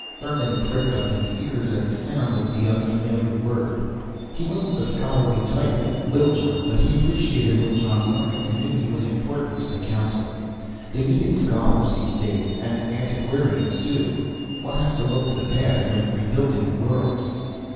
Thurmon pricked up his ears at the sound of the unfamiliar word. He wasn't the scholarly type, like Littlejohn. But he appreciated Littlejohn's learning and knew he was important to the council. They needed scholars these days, and antiquarians too. One has to look to the past when rebuilding a world.